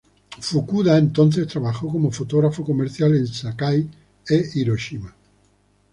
Fukuda entonces trabajó como fotógrafo comercial en Sakai e Hiroshima.